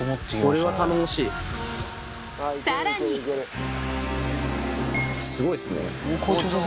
さらにすごいっすね。